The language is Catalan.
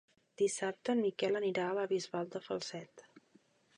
Dissabte en Miquel anirà a la Bisbal de Falset.